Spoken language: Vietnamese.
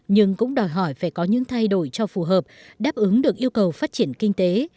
nhưng cũng đòi hỏi phải có những thay đổi cho phù hợp đáp ứng được yêu cầu phát triển kinh tế